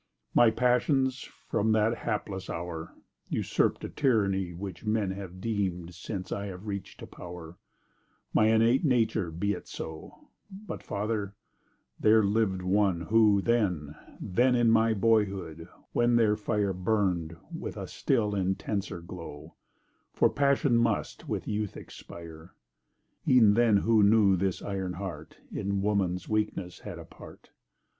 My passions, from that hapless hour, Usurp'd a tyranny which men Have deem'd, since I have reach'd to power; My innate nature—be it so: But, father, there liv'd one who, then, Then—in my boyhood—when their fire Burn'd with a still intenser glow, (For passion must, with youth, expire) E'en then who knew this iron heart In woman's weakness had a part.